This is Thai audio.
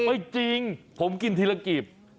ไม่จริงผมกินทีละกีบ